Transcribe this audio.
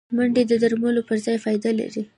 منډه د درملو پر ځای فایده لري